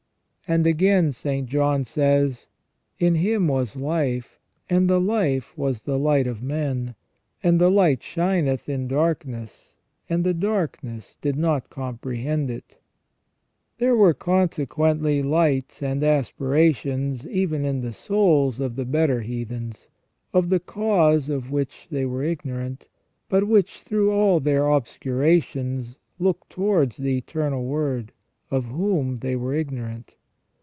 And again St. John says :" In Him was life, and the life was the light of men ; and the light shineth in darkness, and the darkness did not comprehend it ". There were consequently lights and aspirations even in the souls of the better heathens, of the cause of which they were ignorant, but which through all their obscurations looked towards the Eternal Word, of whom they were ignorant.